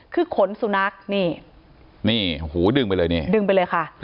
คือขนสูนักนี่ดึงไปเลยค่ะ